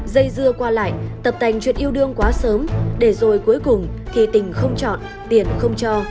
dây dưa qua lại tập tành chuyện yêu đương quá sớm để rồi cuối cùng thì tình không chọn tiền không cho